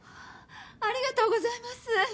ありがとうございます！